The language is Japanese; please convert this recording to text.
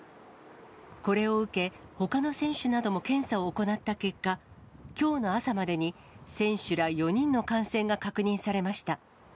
これを受け、ほかの選手なども検査を行った結果、きょうの朝までに、選手ら４人の感染が確認されました。